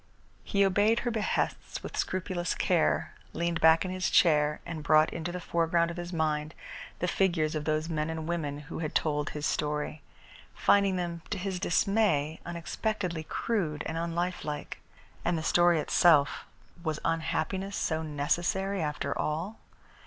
He obeyed her behests with scrupulous care, leaned back in his chair and brought into the foreground of his mind the figures of those men and women who had told his story, finding them, to his dismay, unexpectedly crude and unlifelike. And the story itself. Was unhappiness so necessary, after all?